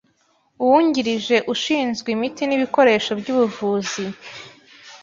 uwungirije ushinzwe imiti n'ibikoresho by'ubuvuzi,